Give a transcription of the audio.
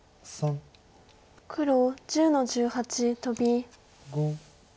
黒１０の十八トビ。